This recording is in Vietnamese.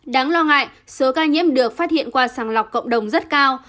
đáng lo ngại số ca nhiễm được phát hiện qua sàng lọc cộng đồng rất cao